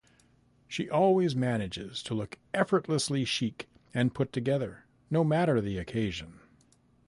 She always manages to look effortlessly chic and put-together, no matter the occasion.